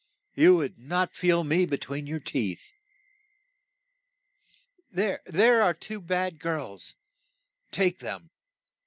You would not feel me be tween your teeth. There are two bad girls ; take them.